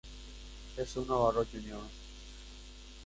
Jesús Navarro Jr.